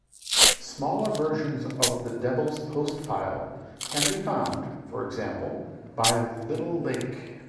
Smaller versions of the Devils Postpile, can be found, for example, by Little Lake.